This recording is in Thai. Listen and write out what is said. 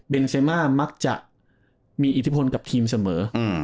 เป็นเซมามักจะมีอิทธิพลกับทีมเสมอ